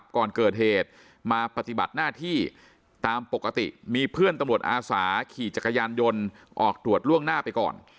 ก่อนเกิดเหตุมาปฏิบัติหน้าที่ตามปกติมีเพื่อนตำรวจอาสาขี่จักรยานยนต์ออกตรวจล่วงหน้าไปก่อน